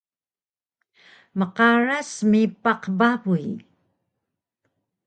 mqaras smipaq babuy